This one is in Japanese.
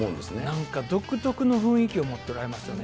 なんか独特の雰囲気を持っておられますよね。